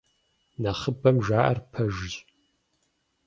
Нэхъыбэм жаӀэр пэжщ.